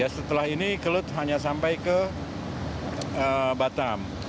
setelah ini kelut hanya sampai ke batam